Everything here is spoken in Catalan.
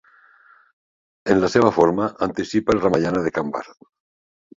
En la seva forma, anticipa el Ramayana de Kambar.